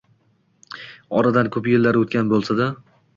Oradan ko‘p yillar o‘tgan bo‘lsa-da